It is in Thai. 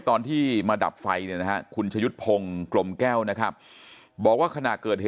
ตอนที่มาดับไฟนะคุณชะยุดพงษ์กลมแก้วนะครับบอกว่าขณะเกิด